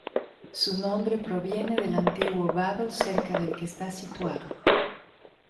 Su nombre proviene del antiguo vado cerca del que está situado.